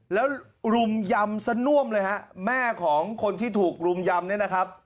แล้วรุมยำซะน่วมเลยฮะแม่ของคนที่ถูกรุมยำเนี่ยนะครับ